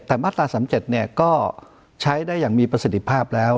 แต่มาตรา๓๗ก็ใช้ได้อย่างมีประสิทธิภาพแล้ว